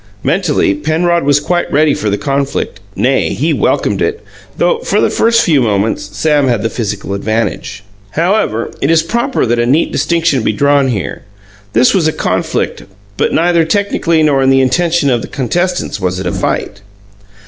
Mentally, Penrod was quite ready for the conflict nay, he welcomed it though, for the first few moments, Sam had the physical advantage. However, it is proper that a neat distinction be drawn here. This was a conflict; but neither technically nor in the intention of the contestants was it a fight.